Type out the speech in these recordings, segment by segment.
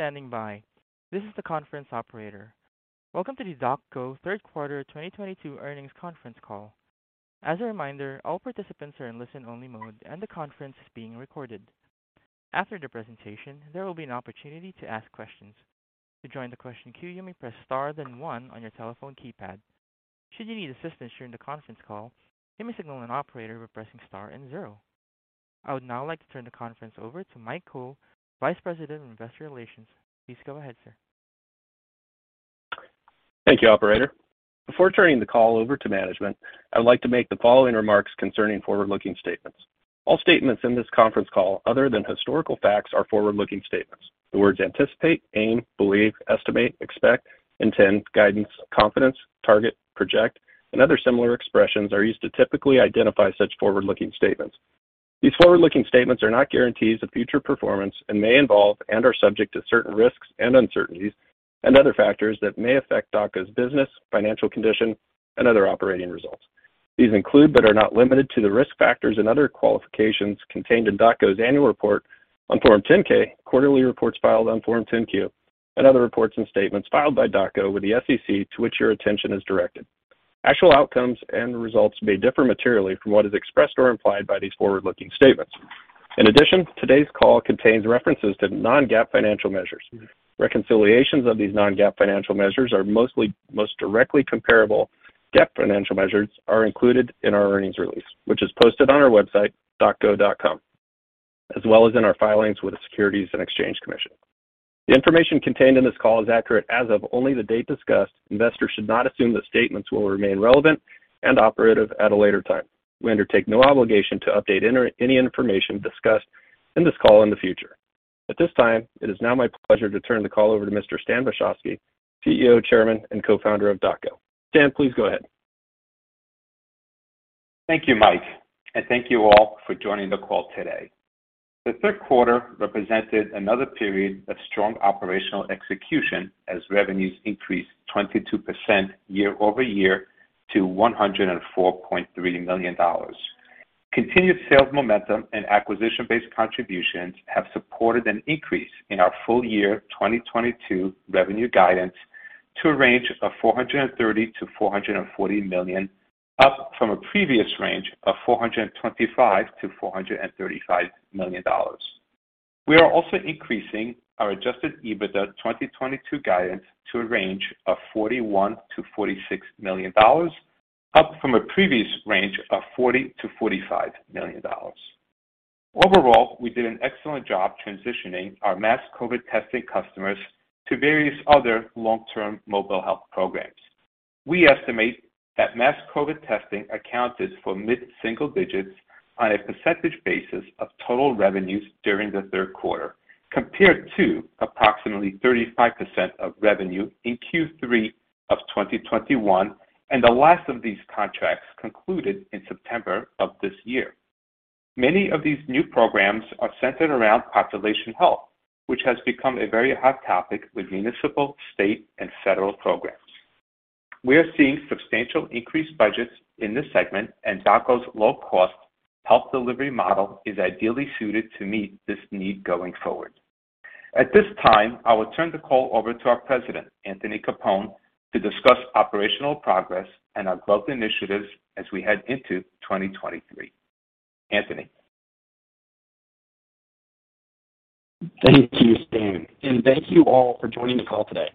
Standing by. This is the conference operator. Welcome to the DocGo third quarter 2022 earnings conference call. As a reminder, all participants are in listen-only mode, and the conference is being recorded. After the presentation, there will be an opportunity to ask questions. To join the question queue, you may press star then one on your telephone keypad. Should you need assistance during the conference call, you may signal an operator by pressing star and zero. I would now like to turn the conference over to Mike Cole, Vice President of Investor Relations. Please go ahead, sir. Thank you, operator. Before turning the call over to management, I would like to make the following remarks concerning forward-looking statements. All statements in this conference call other than historical facts are forward-looking statements. The words anticipate, aim, believe, estimate, expect, intend, guidance, confidence, target, project, and other similar expressions are used to typically identify such forward-looking statements. These forward-looking statements are not guarantees of future performance and may involve and are subject to certain risks and uncertainties and other factors that may affect DocGo's business, financial condition, and other operating results. These include, but are not limited to, the risk factors and other qualifications contained in DocGo's annual report on Form 10-K, quarterly reports filed on Form 10-Q, and other reports and statements filed by DocGo with the SEC to which your attention is directed. Actual outcomes and results may differ materially from what is expressed or implied by these forward-looking statements. In addition, today's call contains references to non-GAAP financial measures. Reconciliations of these non-GAAP financial measures to the most directly comparable GAAP financial measures are included in our earnings release, which is posted on our website, docgo.com, as well as in our filings with the Securities and Exchange Commission. The information contained in this call is accurate as of only the date discussed. Investors should not assume that statements will remain relevant and operative at a later time. We undertake no obligation to update any information discussed in this call in the future. At this time, it is now my pleasure to turn the call over to Mr. Stan Vashovsky, CEO, Chairman, and Co-founder of DocGo. Stan, please go ahead. Thank you, Mike, and thank you all for joining the call today. The third quarter represented another period of strong operational execution as revenues increased 22% year-over-year to $104.3 million. Continued sales momentum and acquisition-based contributions have supported an increase in our full year 2022 revenue guidance to a range of $430 million-$440 million, up from a previous range of $425 million-$435 million. We are also increasing our adjusted EBITDA 2022 guidance to a range of $41 million-$46 million, up from a previous range of $40 million-$45 million. Overall, we did an excellent job transitioning our mass COVID testing customers to various other long-term mobile health programs. We estimate that mass COVID testing accounted for mid-single digits on a percentage basis of total revenues during the third quarter, compared to approximately 35% of revenue in Q3 of 2021, and the last of these contracts concluded in September of this year. Many of these new programs are centered around population health, which has become a very hot topic with municipal, state, and federal programs. We are seeing substantial increased budgets in this segment, and DocGo's low-cost health delivery model is ideally suited to meet this need going forward. At this time, I will turn the call over to our President, Anthony Capone, to discuss operational progress and our growth initiatives as we head into 2023. Anthony. Thank you, Stan, and thank you all for joining the call today.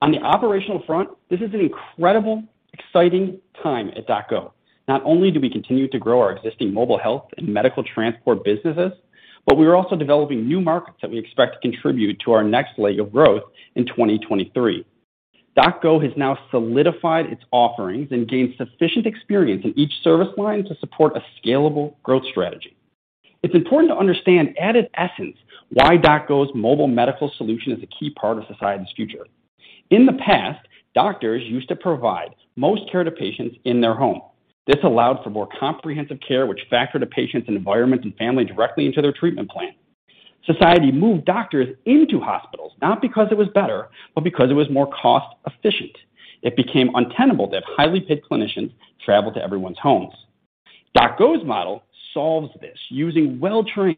On the operational front, this is an incredible, exciting time at DocGo. Not only do we continue to grow our existing mobile health and medical transport businesses, but we are also developing new markets that we expect to contribute to our next leg of growth in 2023. DocGo has now solidified its offerings and gained sufficient experience in each service line to support a scalable growth strategy. It's important to understand at its essence why DocGo's mobile medical solution is a key part of society's future. In the past, doctors used to provide most care to patients in their home. This allowed for more comprehensive care which factored a patient's environment and family directly into their treatment plan. Society moved doctors into hospitals, not because it was better, but because it was more cost-efficient. It became untenable that highly paid clinicians traveled to everyone's homes. DocGo's model solves this using well-trained,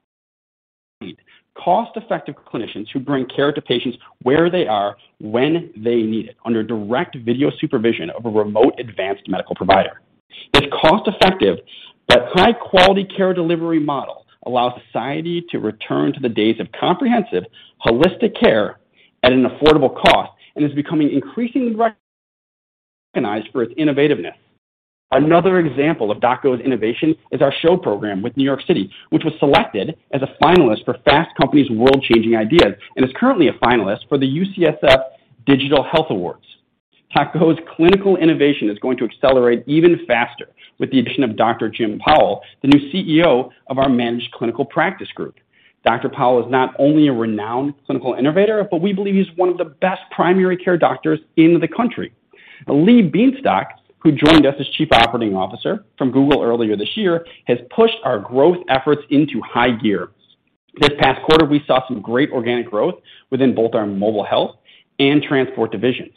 cost-effective clinicians who bring care to patients where they are when they need it, under direct video supervision of a remote advanced medical provider. This cost-effective but high-quality care delivery model allows society to return to the days of comprehensive, holistic care at an affordable cost and is becoming increasingly recognized for its innovativeness. Another example of DocGo's innovation is our SHOW program with New York City, which was selected as a finalist for Fast Company's World Changing Ideas Awards and is currently a finalist for the UCSF Digital Health Awards. DocGo's clinical innovation is going to accelerate even faster with the addition of Dr. Jim Powell, the new CEO of our Managed Clinical Practice Group. Dr. Powell is not only a renowned clinical innovator, but we believe he's one of the best primary care doctors in the country. Lee Bienstock, who joined us as Chief Operating Officer from Google earlier this year, has pushed our growth efforts into high gear. This past quarter, we saw some great organic growth within both our mobile health and transport divisions.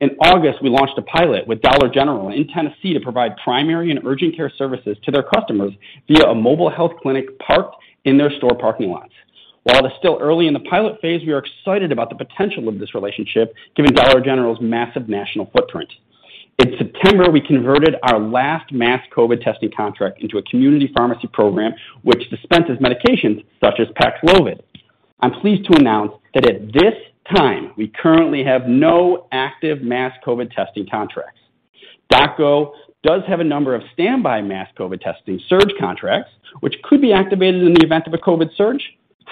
In August, we launched a pilot with Dollar General in Tennessee to provide primary and urgent care services to their customers via a mobile health clinic parked in their store parking lots. While it is still early in the pilot phase, we are excited about the potential of this relationship given Dollar General's massive national footprint. In September, we converted our last mass COVID testing contract into a community pharmacy program which dispenses medications such as PAXLOVID. I'm pleased to announce that at this time, we currently have no active mass COVID testing contracts. DocGo does have a number of standby mass COVID testing surge contracts which could be activated in the event of a COVID surge.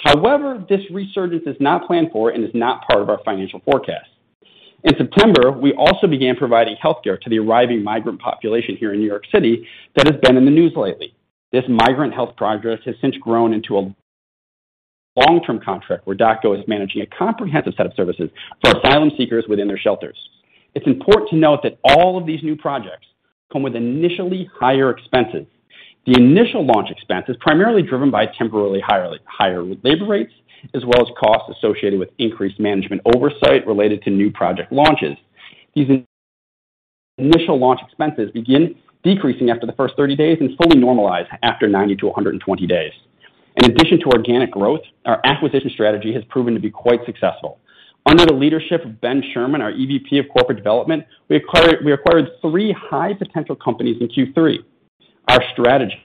However, this resurgence is not planned for and is not part of our financial forecast. In September, we also began providing health care to the arriving migrant population here in New York City that has been in the news lately. This migrant health program has since grown into a long-term contract where DocGo is managing a comprehensive set of services for asylum seekers within their shelters. It's important to note that all of these new projects come with initially higher expenses. The initial launch expense is primarily driven by temporarily higher labor rates as well as costs associated with increased management oversight related to new project launches. These initial launch expenses begin decreasing after the first 30 days and fully normalize after 90-120 days. In addition to organic growth, our acquisition strategy has proven to be quite successful. Under the leadership of Ben Sherman, our EVP of Corporate Development, we acquired three high potential companies in Q3. Our strategy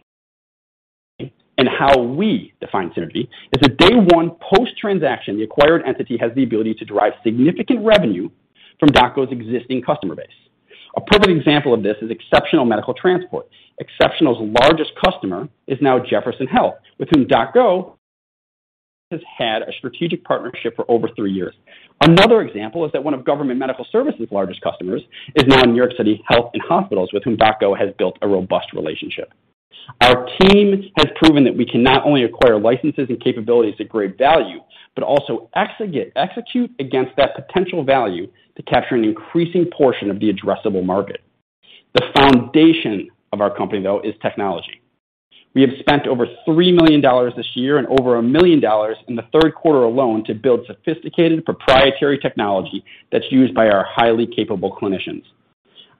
and how we define synergy is that day one post-transaction, the acquired entity has the ability to derive significant revenue from DocGo's existing customer base. A perfect example of this is Exceptional Medical Transport. Exceptional's largest customer is now Jefferson Health, with whom DocGo has had a strategic partnership for over three years. Another example is that one of Government Medical Services largest customers is now New York City Health + Hospitals, with whom DocGo has built a robust relationship. Our team has proven that we can not only acquire licenses and capabilities at great value, but also execute against that potential value to capture an increasing portion of the addressable market. The foundation of our company, though, is technology. We have spent over $3 million this year and over $1 million in the third quarter alone to build sophisticated proprietary technology that's used by our highly capable clinicians.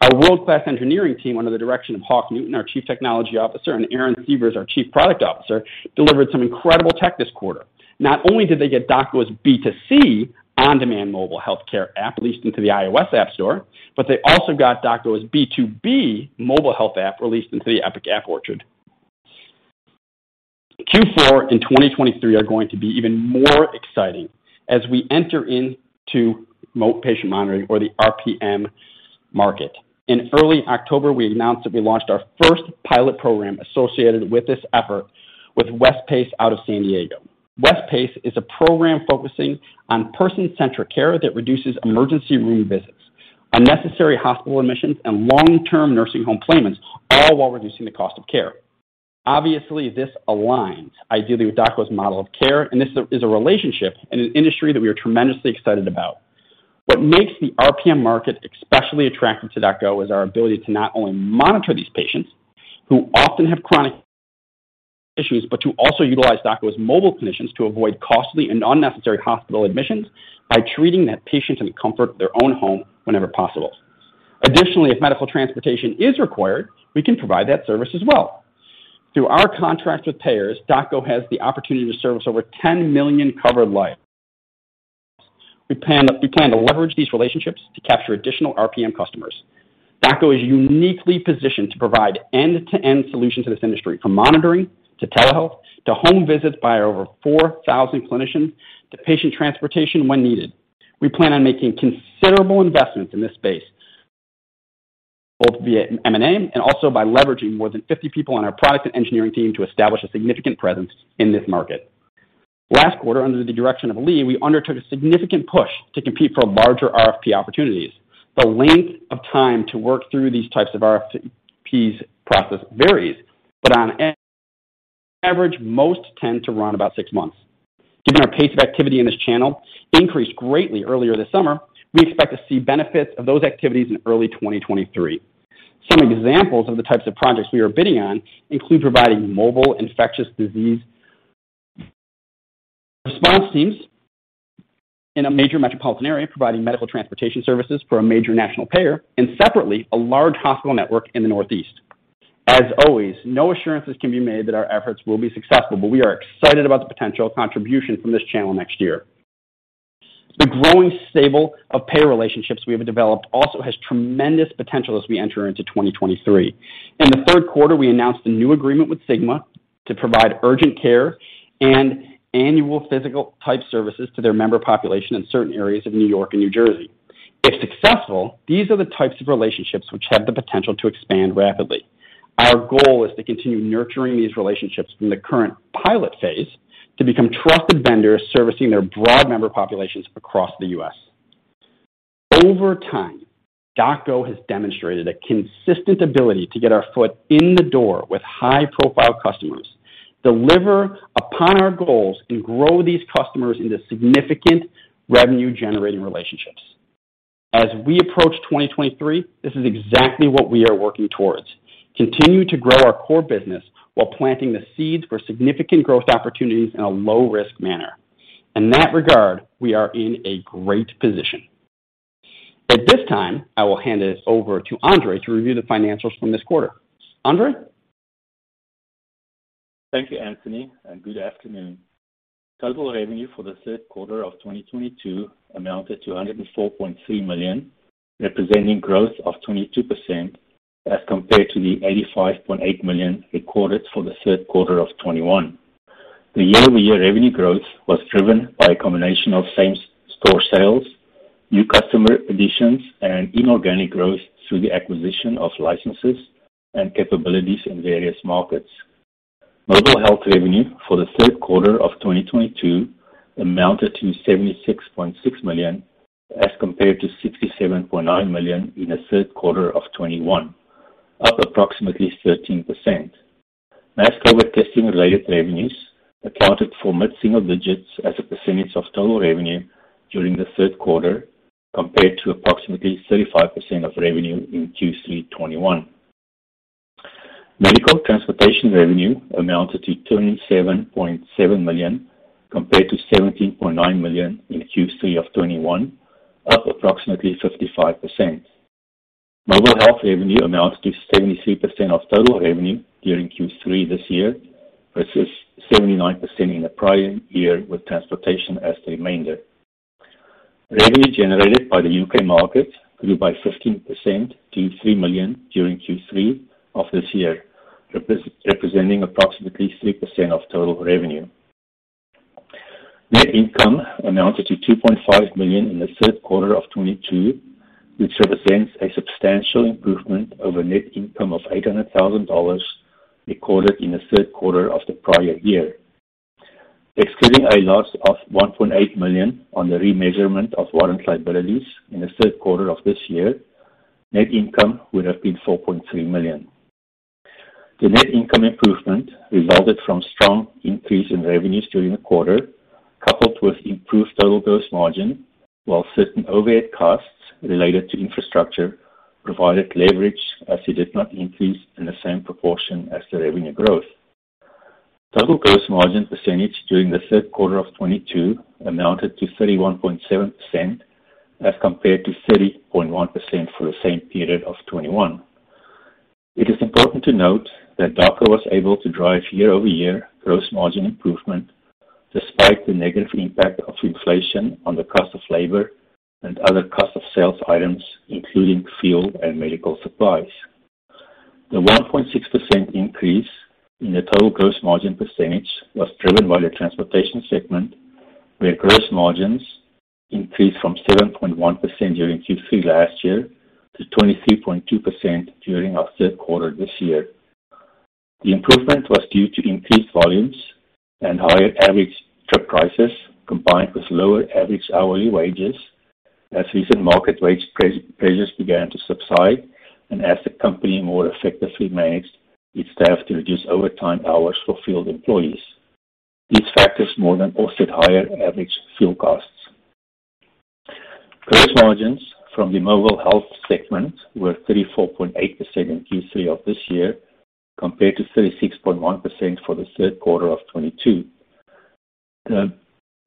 Our world-class engineering team, under the direction of Hawk Newton, our Chief Technology Officer, and Aaron Severs, our Chief Product Officer, delivered some incredible tech this quarter. Not only did they get DocGo's B2C on-demand mobile healthcare app released into the iOS App Store, but they also got DocGo's B2B mobile health app released into the Epic App Orchard. Q4 2023 are going to be even more exciting as we enter into remote patient monitoring or the RPM market. In early October, we announced that we launched our first pilot program associated with this effort with West PACE out of San Diego. West PACE is a program focusing on person-centric care that reduces emergency room visits, unnecessary hospital admissions, and long-term nursing home placements, all while reducing the cost of care. Obviously, this aligns ideally with DocGo's model of care, and this is a relationship in an industry that we are tremendously excited about. What makes the RPM market especially attractive to DocGo is our ability to not only monitor these patients who often have chronic issues, but to also utilize DocGo's mobile clinicians to avoid costly and unnecessary hospital admissions by treating that patient in the comfort of their own home whenever possible. Additionally, if medical transportation is required, we can provide that service as well. Through our contract with payers, DocGo has the opportunity to service over 10 million covered lives. We plan to leverage these relationships to capture additional RPM customers. DocGo is uniquely positioned to provide end-to-end solutions in this industry, from monitoring to telehealth to home visits by over 4,000 clinicians to patient transportation when needed. We plan on making considerable investments in this space, both via M&A and also by leveraging more than 50 people on our product and engineering team to establish a significant presence in this market. Last quarter, under the direction of Lee, we undertook a significant push to compete for larger RFP opportunities. The length of time to work through these types of RFPs process varies, but on average, most tend to run about six months. Given our pace of activity in this channel increased greatly earlier this summer, we expect to see benefits of those activities in early 2023. Some examples of the types of projects we are bidding on include providing mobile infectious disease response teams in a major metropolitan area, providing medical transportation services for a major national payer, and separately, a large hospital network in the Northeast. As always, no assurances can be made that our efforts will be successful. We are excited about the potential contribution from this channel next year. The growing stable of payer relationships we have developed also has tremendous potential as we enter into 2023. In the third quarter, we announced a new agreement with Cigna to provide urgent care and annual physical type services to their member population in certain areas of New York and New Jersey. If successful, these are the types of relationships which have the potential to expand rapidly. Our goal is to continue nurturing these relationships from the current pilot phase to become trusted vendors servicing their broad member populations across the U.S. Over time, DocGo has demonstrated a consistent ability to get our foot in the door with high-profile customers, deliver upon our goals, and grow these customers into significant revenue-generating relationships. As we approach 2023, this is exactly what we are working towards: continue to grow our core business while planting the seeds for significant growth opportunities in a low-risk manner. In that regard, we are in a great position. At this time, I will hand this over to Andre to review the financials from this quarter. Andre. Thank you, Anthony, and good afternoon. Total revenue for the third quarter of 2022 amounted to $104.3 million, representing growth of 22% as compared to the $85.8 million recorded for the third quarter of 2021. The year-over-year revenue growth was driven by a combination of same-store sales, new customer additions, and inorganic growth through the acquisition of licenses and capabilities in various markets. Mobile health revenue for the third quarter of 2022 amounted to $76.6 million as compared to $67.9 million in the third quarter of 2021, up approximately 13%. Mass COVID testing-related revenues accounted for mid-single digits as a percentage of total revenue during the third quarter, compared to approximately 35% of revenue in Q3 2021. Medical transportation revenue amounted to $27.7 million compared to $17.9 million in Q3 of 2021, up approximately 55%. Mobile health revenue amounted to 73% of total revenue during Q3 this year, versus 79% in the prior year with transportation as the remainder. Revenue generated by the U.K. market grew by 15% to $3 million during Q3 of this year, representing approximately 3% of total revenue. Net income amounted to $2.5 million in the third quarter of 2022, which represents a substantial improvement over net income of $800,000 recorded in the third quarter of the prior year. Excluding a loss of $1.8 million on the remeasurement of warrant liabilities in the third quarter of this year, net income would have been $4.3 million. The net income improvement resulted from strong increase in revenues during the quarter, coupled with improved total gross margin, while certain overhead costs related to infrastructure provided leverage as it did not increase in the same proportion as the revenue growth. Total gross margin percentage during the third quarter of 2022 amounted to 31.7% as compared to 30.1% for the same period of 2021. It is important to note that DocGo was able to drive year-over-year gross margin improvement despite the negative impact of inflation on the cost of labor and other cost of sales items, including fuel and medical supplies. The 1.6% increase in the total gross margin percentage was driven by the transportation segment, where gross margins increased from 7.1% during Q3 last year to 23.2% during our third quarter this year. The improvement was due to increased volumes and higher average trip prices, combined with lower average hourly wages as recent market wage pressures began to subside and as the company more effectively managed its staff to reduce overtime hours for field employees. These factors more than offset higher average fuel costs. Gross margins from the mobile health segment were 34.8% in Q3 of this year, compared to 36.1% for the third quarter of 2022. The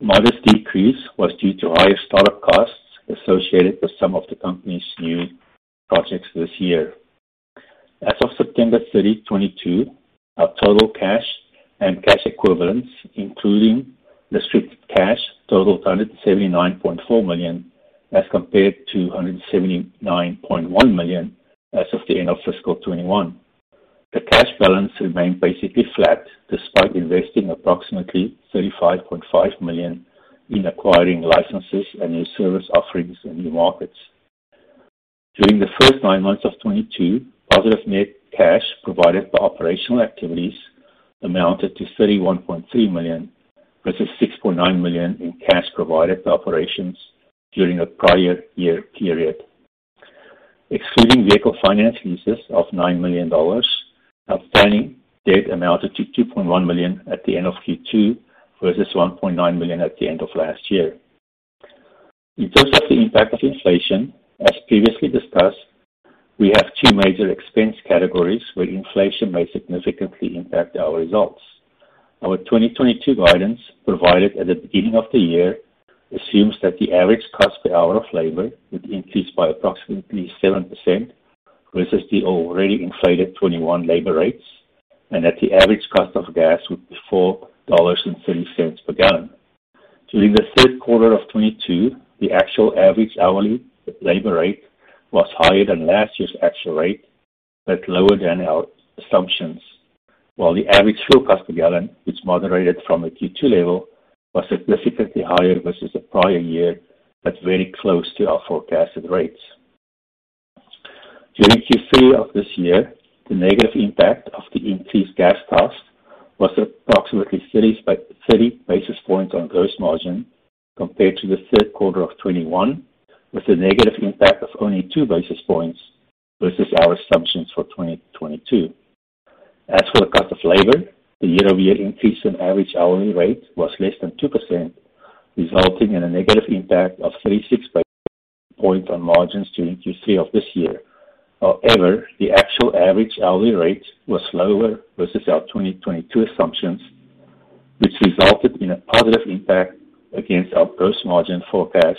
modest decrease was due to higher start-up costs associated with some of the company's new projects this year. As of September 30, 2022, our total cash and cash equivalents, including restricted cash, totaled $179.4 million as compared to $179.1 million as of the end of fiscal 2021. The cash balance remained basically flat despite investing approximately $35.5 million in acquiring licenses and new service offerings in new markets. During the first nine months of 2022, positive net cash provided by operational activities amounted to $31.3 million versus $6.9 million in cash provided by operations during the prior year period. Excluding vehicle finance leases of $9 million, outstanding debt amounted to $2.1 million at the end of Q2 versus $1.9 million at the end of last year. In terms of the impact of inflation, as previously discussed, we have two major expense categories where inflation may significantly impact our results. Our 2022 guidance provided at the beginning of the year assumes that the average cost per hour of labor would increase by approximately 7% versus the already inflated 2021 labor rates and that the average cost of gas would be $4.30 per gallon. During the third quarter of 2022, the actual average hourly labor rate was higher than last year's actual rate, but lower than our assumptions, while the average fuel cost per gallon, which moderated from the Q2 level, was significantly higher versus the prior year, but very close to our forecasted rates. During Q3 of this year, the negative impact of the increased gas costs was approximately 30 basis points on gross margin compared to the third quarter of 2021, with a negative impact of only 2 basis points versus our assumptions for 2022. As for the cost of labor, the year-over-year increase in average hourly rate was less than 2%, resulting in a negative impact of 36 basis points on margins during Q3 of this year. However, the actual average hourly rate was lower versus our 2022 assumptions, which resulted in a positive impact against our gross margin forecast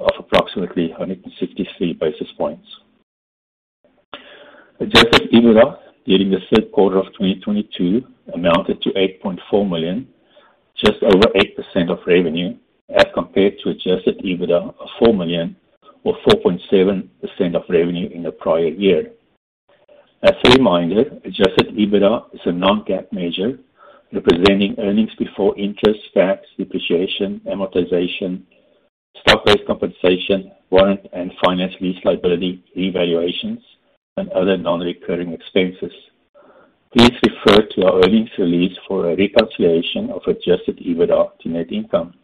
of approximately 163 basis points. Adjusted EBITDA during the third quarter of 2022 amounted to $8.4 million, just over 8% of revenue, as compared to adjusted EBITDA of $4 million or 4.7% of revenue in the prior year. As a reminder, adjusted EBITDA is a non-GAAP measure representing earnings before interest, tax, depreciation, amortization, stock-based compensation, warrant, and finance lease liability revaluations, and other non-recurring expenses. Please refer to our earnings release for a reconciliation of adjusted EBITDA to net income.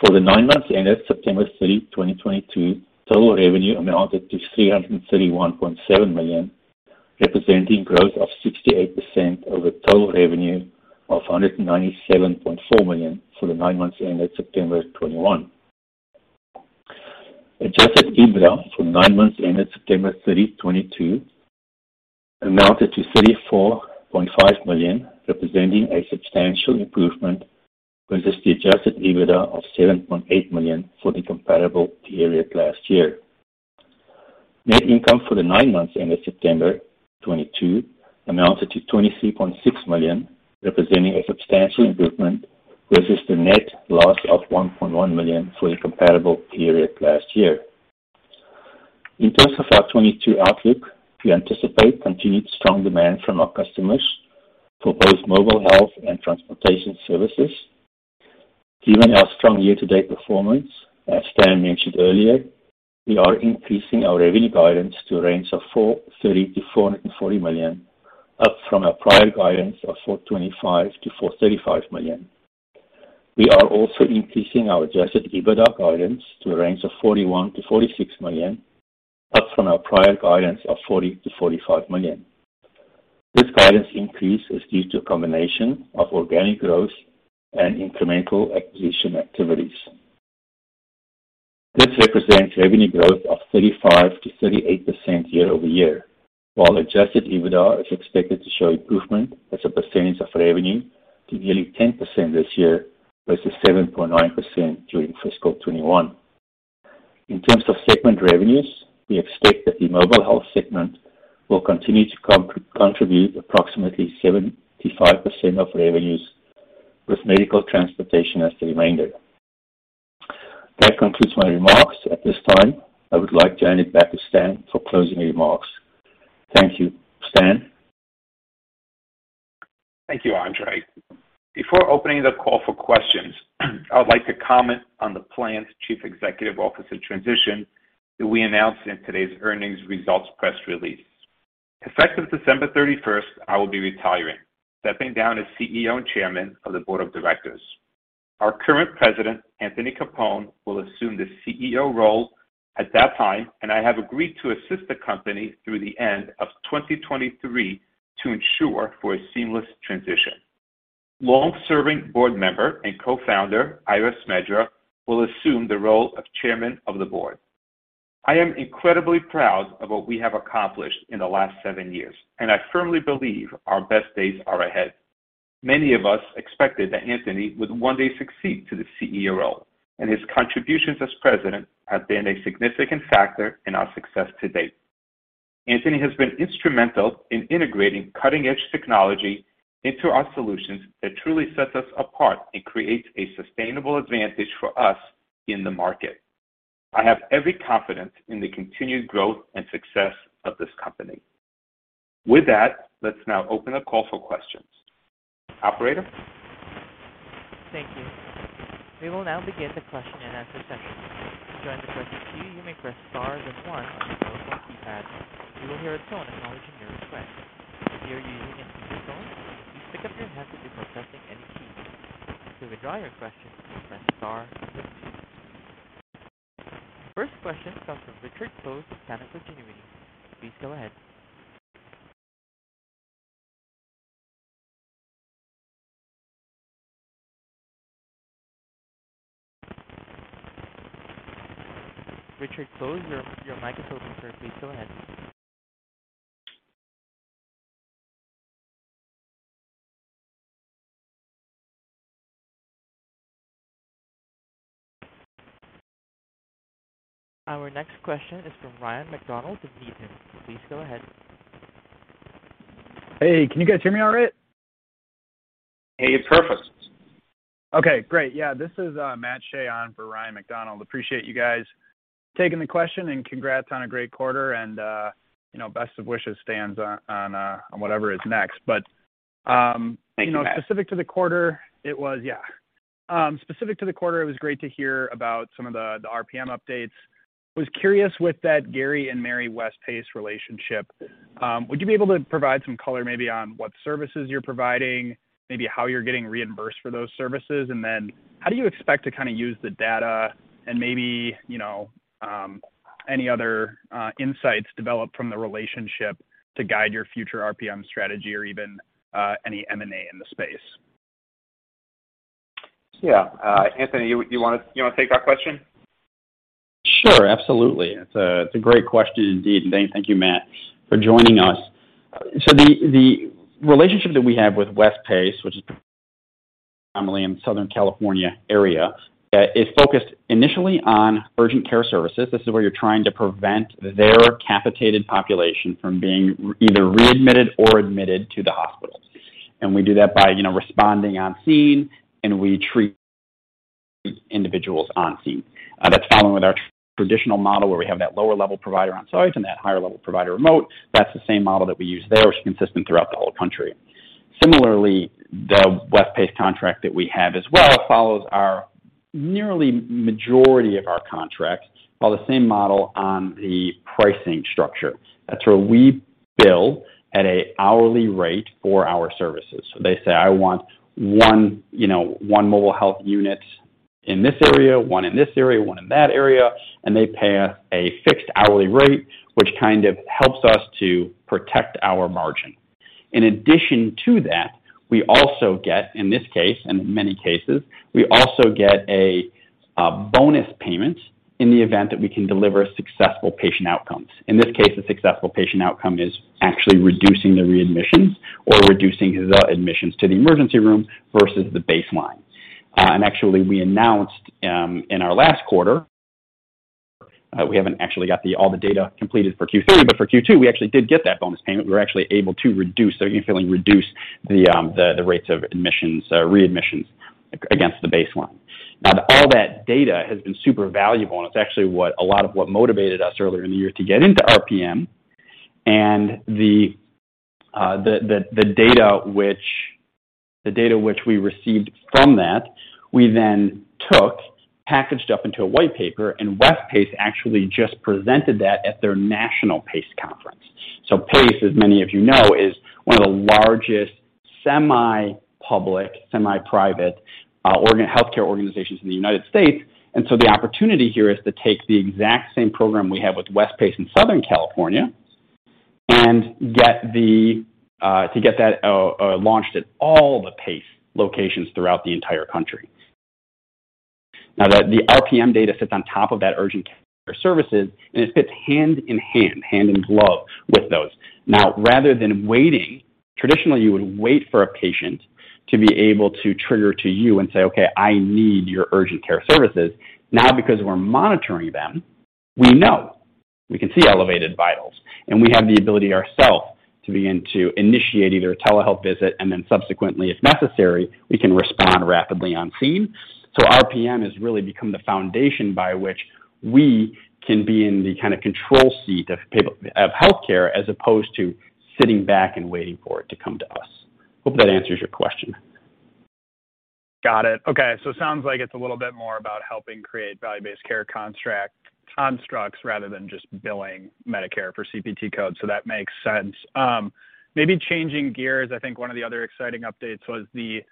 For the nine months ended September 30, 2022, total revenue amounted to $331.7 million, representing growth of 68% over total revenue of $197.4 million for the nine months ended September 2021. Adjusted EBITDA for nine months ended September 30, 2022 amounted to $34.5 million, representing a substantial improvement versus the adjusted EBITDA of $7.8 million for the comparable period last year. Net income for the nine months ended September 2022 amounted to $23.6 million, representing a substantial improvement versus the net loss of $1.1 million for the comparable period last year. In terms of our 2022 outlook, we anticipate continued strong demand from our customers for both mobile health and transportation services. Given our strong year-to-date performance, as Stan mentioned earlier, we are increasing our revenue guidance to a range of $430 million-$440 million, up from our prior guidance of $425 million-$435 million. We are also increasing our adjusted EBITDA guidance to a range of $41 million-$46 million, up from our prior guidance of $40 million-$45 million. This guidance increase is due to a combination of organic growth and incremental acquisition activities. This represents revenue growth of 35%-38% year-over-year, while adjusted EBITDA is expected to show improvement as a percentage of revenue to nearly 10% this year versus 7.9% during fiscal 2021. In terms of segment revenues, we expect that the mobile health segment will continue to contribute approximately 75% of revenues, with medical transportation as the remainder. That concludes my remarks. At this time, I would like to hand it back to Stan for closing remarks. Thank you. Stan? Thank you, Andre. Before opening the call for questions, I would like to comment on the planned Chief Executive Officer transition that we announced in today's earnings results press release. Effective December 31st, I will be retiring, stepping down as CEO and Chairman of the Board of Directors. Our current President, Anthony Capone, will assume the CEO role at that time, and I have agreed to assist the company through the end of 2023 to ensure for a seamless transition. Long-serving board member and Co-founder, Ely Tendler, will assume the role of Chairman of the board. I am incredibly proud of what we have accomplished in the last seven years, and I firmly believe our best days are ahead. Many of us expected that Anthony would one day succeed to the CEO role, and his contributions as President have been a significant factor in our success to date. Anthony has been instrumental in integrating cutting-edge technology into our solutions that truly sets us apart and creates a sustainable advantage for us in the market. I have every confidence in the continued growth and success of this company. With that, let's now open the call for questions. Operator? Thank you. We will now begin the question-and-answer session. To join the question queue, you may press star then one on your telephone keypad. You will hear a tone acknowledging your request. If you are using a speakerphone, please pick up your handset before pressing any keys. To withdraw your question, press star then two. First question comes from Richard Close, Canaccord Genuity. Please go ahead. Richard Close, your microphone is muted. Please go ahead. Our next question is from Ryan MacDonald with Needham. Please go ahead. Hey, can you guys hear me all right? Hey, perfect. Okay, great. Yeah, this is Matthew Shea on for Ryan MacDonald. Appreciate you guys taking the question, and congrats on a great quarter and you know, best of wishes, Stan, on whatever is next. Thank you, Matt. Specific to the quarter, it was great to hear about some of the RPM updates. I was curious about that Gary and Mary West PACE relationship. Would you be able to provide some color maybe on what services you're providing, maybe how you're getting reimbursed for those services? Then how do you expect to kinda use the data and maybe, you know, any other insights developed from the relationship to guide your future RPM strategy or even any M&A in the space? Yeah. Anthony, you wanna take that question? Sure. Absolutely. It's a great question indeed. Thank you, Matt, for joining us. The relationship that we have with West PACE, which is primarily in the Southern California area, is focused initially on urgent care services. This is where you're trying to prevent their capitated population from being either readmitted or admitted to the hospitals. We do that by, you know, responding on scene, and we treat individuals on scene. That's following with our traditional model, where we have that lower-level provider on site and that higher-level provider remote. That's the same model that we use there, which is consistent throughout the whole country. Similarly, the West PACE contract that we have as well follows our nearly majority of our contracts, follow the same model on the pricing structure. That's where we bill at an hourly rate for our services. They say, "I want one, you know, one mobile health unit in this area, one in this area, one in that area," and they pay us a fixed hourly rate, which kind of helps us to protect our margin. In addition to that, we also get, in this case and in many cases, we also get a bonus payment in the event that we can deliver successful patient outcomes. In this case, the successful patient outcome is actually reducing the readmissions or reducing the admissions to the emergency room versus the baseline. Actually we announced in our last quarter, we haven't actually got all the data completed for Q3, but for Q2, we actually did get that bonus payment. We were actually able to reduce, or even reduce the rates of admissions, readmissions against the baseline. Now all that data has been super valuable, and it's actually what a lot of what motivated us earlier in the year to get into RPM. The data which we received from that, we then took, packaged up into a white paper, and West PACE actually just presented that at their national PACE conference. PACE, as many of you know, is one of the largest semi-public, semi-private healthcare organizations in the United States. The opportunity here is to take the exact same program we have with West PACE in Southern California and get that launched at all the PACE locations throughout the entire country. Now, the RPM data sits on top of that urgent care services, and it sits hand in hand in glove with those. Now, rather than waiting, traditionally, you would wait for a patient to be able to trigger to you and say, "Okay, I need your urgent care services." Now, because we're monitoring them, we know. We can see elevated vitals, and we have the ability ourself to begin to initiate either a telehealth visit, and then subsequently, if necessary, we can respond rapidly on scene. RPM has really become the foundation by which we can be in the kind of control seat of healthcare as opposed to sitting back and waiting for it to come to us. Hope that answers your question. Got it. Okay. It sounds like it's a little bit more about helping create value-based care constructs rather than just billing Medicare for CPT codes. That makes sense. Maybe changing gears, I think one of the other exciting updates was the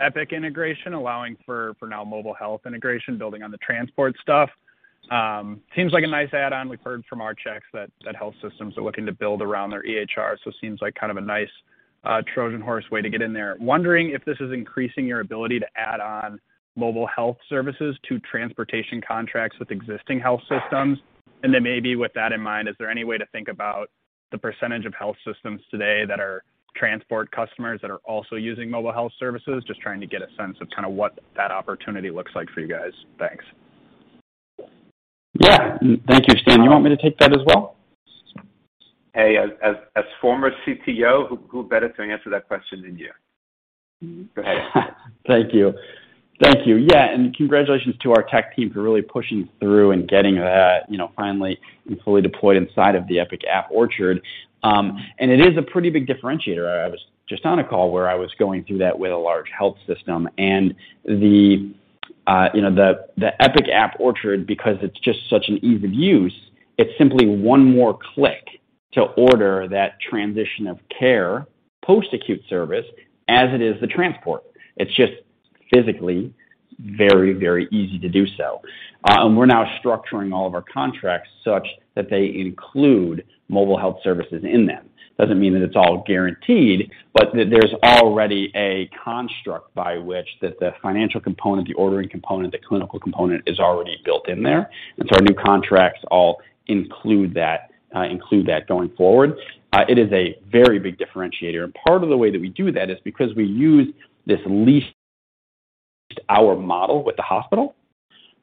Epic integration, allowing for now mobile health integration, building on the transport stuff. Seems like a nice add-on. We've heard from our checks that health systems are looking to build around their EHR, so it seems like kind of a nice Trojan Horse way to get in there. Wondering if this is increasing your ability to add on mobile health services to transportation contracts with existing health systems. Then maybe with that in mind, is there any way to think about the percentage of health systems today that are transport customers that are also using mobile health services? Just trying to get a sense of kind of what that opportunity looks like for you guys. Thanks. Yeah. Thank you, Stan. You want me to take that as well? Hey, as former CTO, who better to answer that question than you? Go ahead. Thank you. Yeah. Congratulations to our tech team for really pushing through and getting that, you know, finally and fully deployed inside of the Epic App Orchard. It is a pretty big differentiator. I was just on a call where I was going through that with a large health system and the Epic App Orchard because it's just such an ease of use. It's simply one more click to order that transition of care post-acute service as it is the transport. It's just physically very, very easy to do so. We're now structuring all of our contracts such that they include mobile health services in them. Doesn't mean that it's all guaranteed, but there's already a construct by which the financial component, the ordering component, the clinical component is already built in there. Our new contracts all include that going forward. It is a very big differentiator, and part of the way that we do that is because we use this leased hour model with the hospital.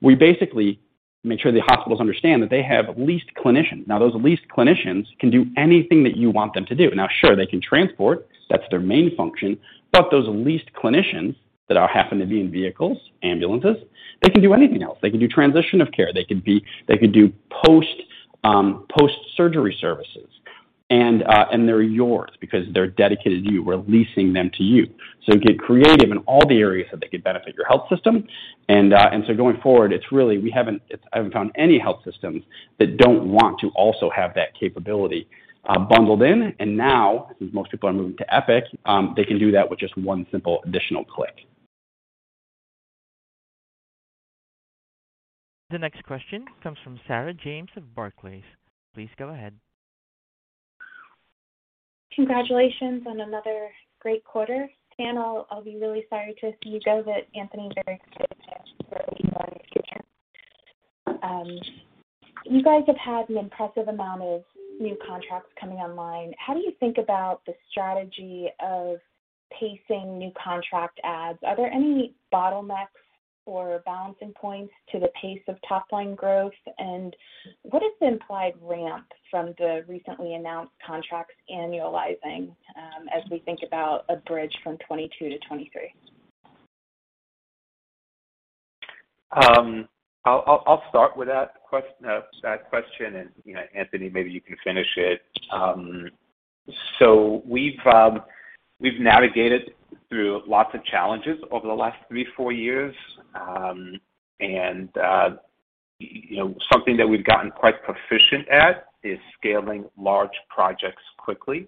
We basically make sure the hospitals understand that they have leased clinicians. Now, those leased clinicians can do anything that you want them to do. Now, sure, they can transport. That's their main function. Those leased clinicians that happen to be in vehicles, ambulances, they can do anything else. They can do transition of care. They could do post-surgery services. They're yours because they're dedicated to you. We're leasing them to you. Get creative in all the areas that they could benefit your health system. Going forward, it's really I haven't found any health systems that don't want to also have that capability, bundled in. Now, since most people are moving to Epic, they can do that with just one simple additional click. The next question comes from Sarah James of Barclays. Please go ahead. Congratulations on another great quarter. I'll be really sorry to see you go, but Anthony very excited to actually start looking forward to your term. You guys have had an impressive amount of new contracts coming online. How do you think about the strategy of pacing new contract adds? Are there any bottlenecks or balancing points to the pace of top-line growth? What is the implied ramp from the recently announced contracts annualizing, as we think about a bridge from 2022 to 2023? I'll start with that question and, you know, Anthony, maybe you can finish it. We've navigated through lots of challenges over the last three, four years. You know, something that we've gotten quite proficient at is scaling large projects quickly.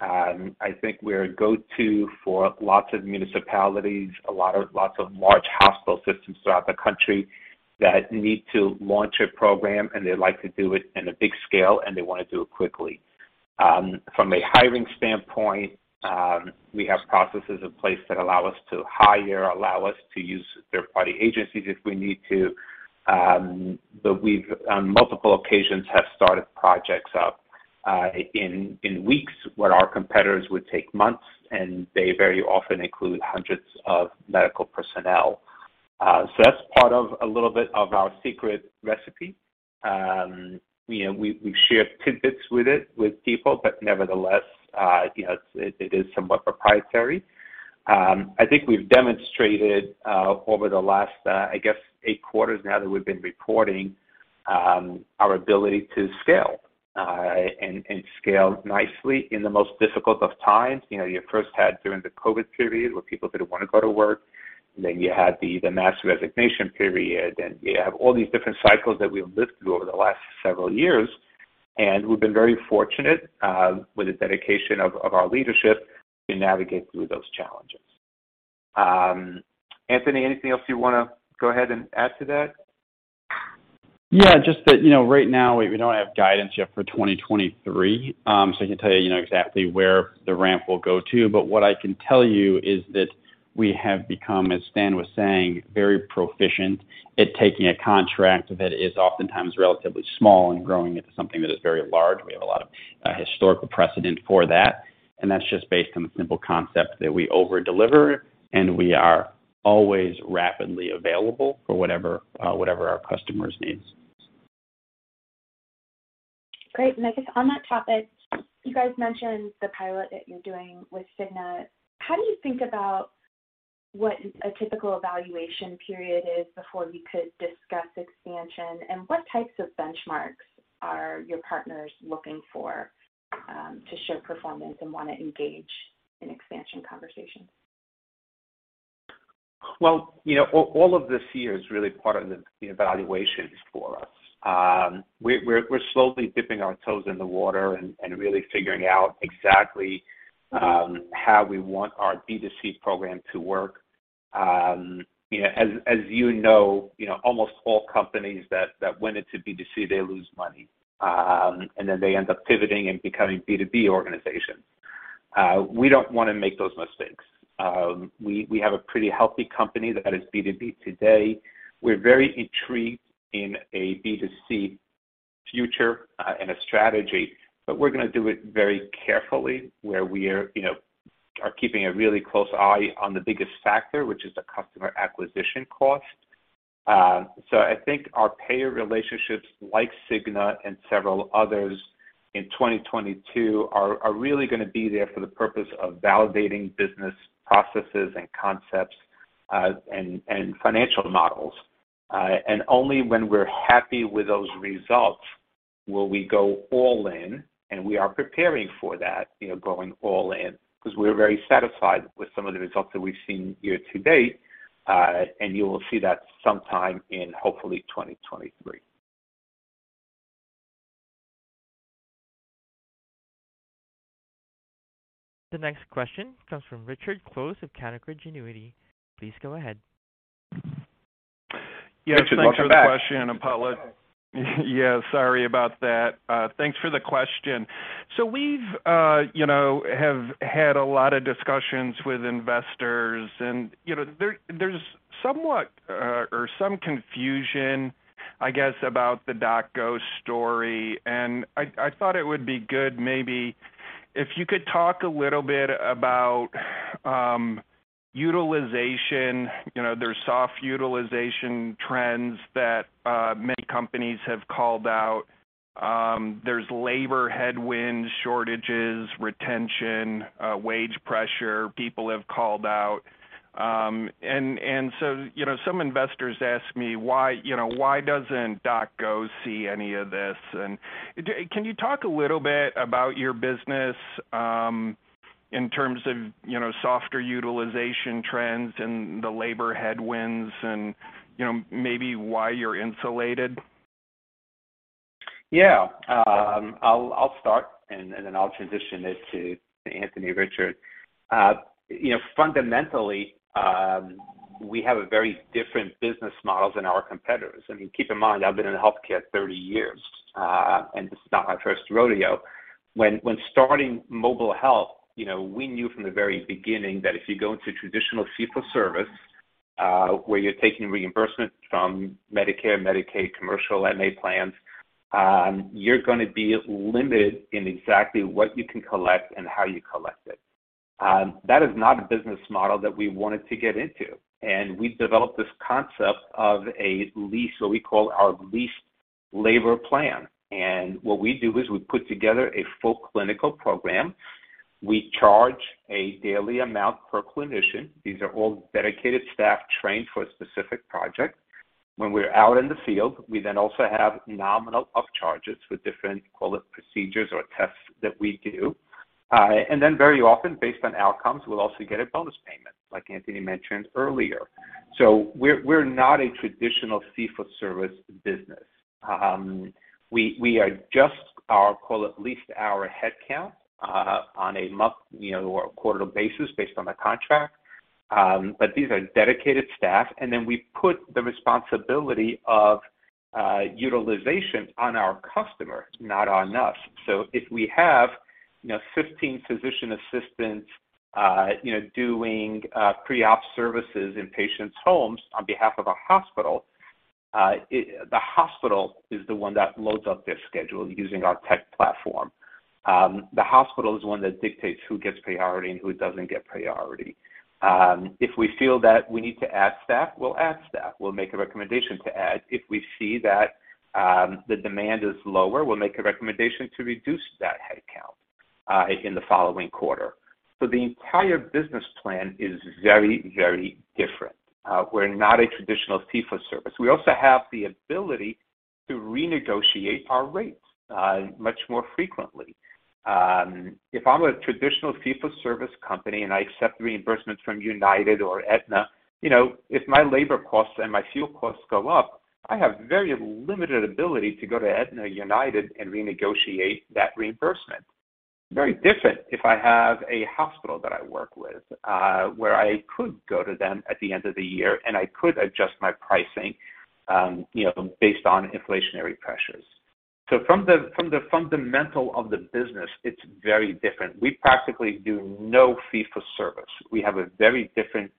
I think we're a go-to for lots of municipalities, lots of large hospital systems throughout the country that need to launch a program, and they like to do it in a big scale, and they wanna do it quickly. From a hiring standpoint, we have processes in place that allow us to hire and use third-party agencies if we need to. We've on multiple occasions started projects up in weeks where our competitors would take months, and they very often include hundreds of medical personnel. That's part of a little bit of our secret recipe. You know, we share tidbits with people, but nevertheless, you know, it is somewhat proprietary. I think we've demonstrated over the last, I guess eight quarters now that we've been reporting, our ability to scale and scale nicely in the most difficult of times. You know, you first had during the COVID period where people didn't wanna go to work, then you had the mass resignation period, then you have all these different cycles that we've lived through over the last several years. We've been very fortunate with the dedication of our leadership to navigate through those challenges. Anthony, anything else you wanna go ahead and add to that? Yeah, just that, you know, right now we don't have guidance yet for 2023, so I can tell you know, exactly where the ramp will go to. What I can tell you is that we have become, as Stan was saying, very proficient at taking a contract that is oftentimes relatively small and growing it to something that is very large. We have a lot of historical precedent for that, and that's just based on the simple concept that we over-deliver, and we are always rapidly available for whatever our customers needs. Great. I guess on that topic, you guys mentioned the pilot that you're doing with Cigna. How do you think about what a typical evaluation period is before you could discuss expansion, and what types of benchmarks are your partners looking for, to show performance and wanna engage in expansion conversations? Well, you know, all of this year is really part of the evaluations for us. We're slowly dipping our toes in the water and really figuring out exactly how we want our B2C program to work. You know, as you know, you know, almost all companies that went into B2C, they lose money, and then they end up pivoting and becoming B2B organizations. We don't wanna make those mistakes. We have a pretty healthy company that is B2B today. We're very intrigued in a B2C future and a strategy, but we're gonna do it very carefully where we're, you know, are keeping a really close eye on the biggest factor, which is the customer acquisition cost. I think our payer relationships like Cigna and several others in 2022 are really gonna be there for the purpose of validating business processes and concepts, and financial models. Only when we're happy with those results will we go all in, and we are preparing for that, you know, going all in, because we're very satisfied with some of the results that we've seen year to date, and you'll see that sometime in hopefully 2023. The next question comes from Richard Close of Canaccord Genuity. Please go ahead. Richard, welcome back. Yes, thanks for the question, apologies. Yeah, sorry about that. Thanks for the question. So we've you know have had a lot of discussions with investors and you know there's some confusion, I guess, about the DocGo story. I thought it would be good maybe if you could talk a little bit about utilization. You know, there's soft utilization trends that many companies have called out. There's labor headwinds, shortages, retention, wage pressure people have called out. Some investors ask me why you know why doesn't DocGo see any of this. Can you talk a little bit about your business in terms of you know softer utilization trends and the labor headwinds and you know maybe why you're insulated? Yeah. I'll start, and then I'll transition it to Anthony, Richard. You know, fundamentally, we have a very different business models than our competitors. I mean, keep in mind, I've been in healthcare 30 years, and this is not my first rodeo. When starting mobile health, you know, we knew from the very beginning that if you go into traditional fee-for-service, where you're taking reimbursement from Medicare, Medicaid, commercial MA plans, you're gonna be limited in exactly what you can collect and how you collect it. That is not a business model that we wanted to get into. We developed this concept of a lease, what we call our leased labor plan. What we do is we put together a full clinical program. We charge a daily amount per clinician. These are all dedicated staff trained for a specific project. When we're out in the field, we then also have nominal up charges with different, call it, procedures or tests that we do. Very often, based on outcomes, we'll also get a bonus payment, like Anthony mentioned earlier. We're not a traditional fee-for-service business. We are just our, call it, leased hour headcount, on a month, you know, or a quarterly basis based on the contract. These are dedicated staff. We put the responsibility of utilization on our customer, not on us. If we have, you know, 15 physician assistants, you know, doing pre-op services in patients' homes on behalf of a hospital, the hospital is the one that loads up their schedule using our tech platform. The hospital is one that dictates who gets priority and who doesn't get priority. If we feel that we need to add staff, we'll add staff. We'll make a recommendation to add. If we see that the demand is lower, we'll make a recommendation to reduce that headcount in the following quarter. The entire business plan is very, very different. We're not a traditional fee-for-service. We also have the ability to renegotiate our rates much more frequently. If I'm a traditional fee-for-service company and I accept reimbursements from United or Aetna, you know, if my labor costs and my fuel costs go up, I have very limited ability to go to Aetna or United and renegotiate that reimbursement. Very different if I have a hospital that I work with, where I could go to them at the end of the year and I could adjust my pricing, you know, based on inflationary pressures. From the fundamental of the business, it's very different. We practically do no fee-for-service. We have a very different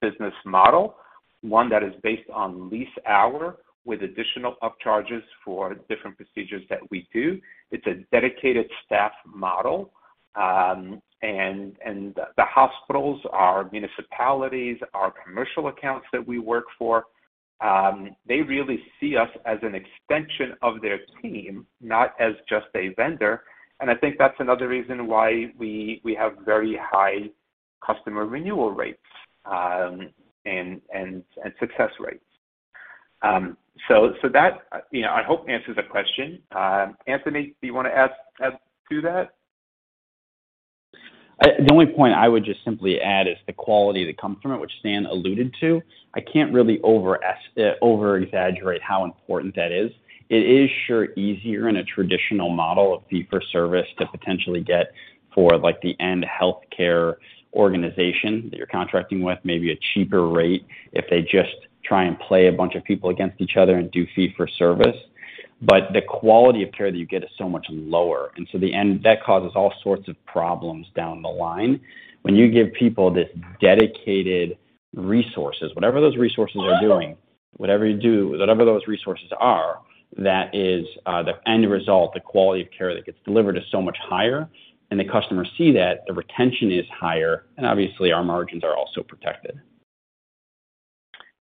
business model, one that is based on lease hour with additional up charges for different procedures that we do. It's a dedicated staff model, and the hospitals, our municipalities, our commercial accounts that we work for, they really see us as an extension of their team, not as just a vendor. I think that's another reason why we have very high customer renewal rates, and success rates. That, you know, I hope answers the question. Anthony, do you wanna add to that? The only point I would just simply add is the quality that comes from it, which Stan alluded to. I can't really over-exaggerate how important that is. It is sure easier in a traditional model of fee-for-service to potentially get for like the end healthcare organization that you're contracting with, maybe a cheaper rate if they just try and play a bunch of people against each other and do fee-for-service. The quality of care that you get is so much lower. That causes all sorts of problems down the line. When you give people this dedicated resources, whatever those resources are doing, whatever you do, whatever those resources are, that is, the end result, the quality of care that gets delivered is so much higher. The customers see that, the retention is higher, and obviously, our margins are also protected.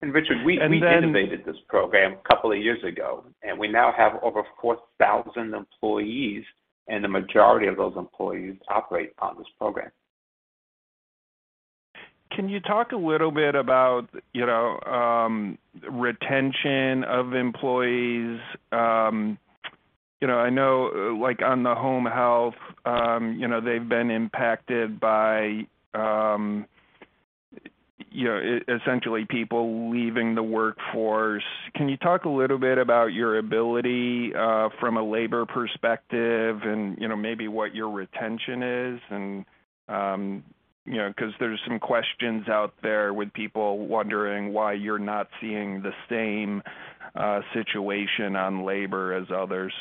Richard, we innovated this program a couple of years ago, and we now have over 4,000 employees, and the majority of those employees operate on this program. Can you talk a little bit about, you know, retention of employees? You know, I know, like on the home health, you know, they've been impacted by, you know, essentially people leaving the workforce. Can you talk a little bit about your ability, from a labor perspective and, you know, maybe what your retention is? You know, 'cause there's some questions out there with people wondering why you're not seeing the same, situation on labor as others.